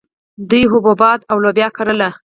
دوی حبوبات او لوبیا کرل